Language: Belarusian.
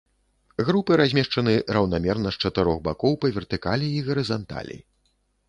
Групы размешчаны раўнамерна з чатырох бакоў па вертыкалі і гарызанталі.